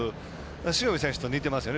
塩見選手と似てますよね。